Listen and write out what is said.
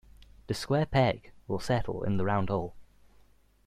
The square peg will settle in the round hole.